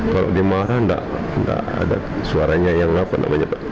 kalau dimarah enggak ada suaranya yang apa namanya pak